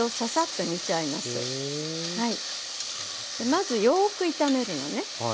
まずよく炒めるのね。